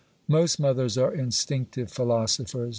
Most mothers are instinctive philosophers.